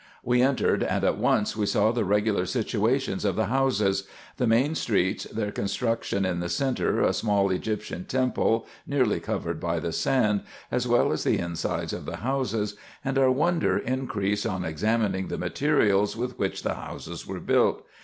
We entered, and at once we saw the regular situations of the houses ; the main streets, their con struction, and in the centre, a small Egyptian temple, nearly covered by the sand, as well as the insides of the houses ; and our wonder increased on examining the materials with winch the houses were built.